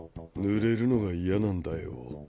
ぬれるのが嫌なんだよ。